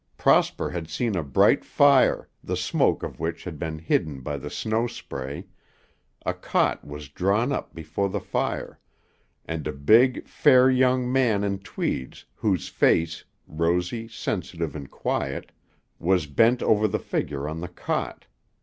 Prosper had seen a bright fire, the smoke of which had been hidden by the snow spray, a cot was drawn up before the fire, and a big, fair young man in tweeds whose face, rosy, sensitive, and quiet, was bent over the figure on the cot.